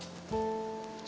siapa di lab